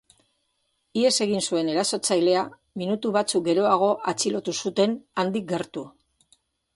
Ihes egin zuen erasotzailea minutu batzuk geroago atxilotu zuten handik gertu.